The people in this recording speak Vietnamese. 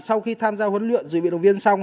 sau khi tham gia huấn luyện dự bị động viên xong